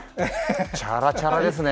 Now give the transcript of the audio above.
チャラチャラですね。